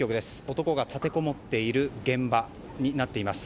男が立てこもっている現場になっています。